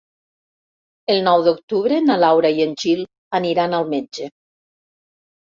El nou d'octubre na Laura i en Gil aniran al metge.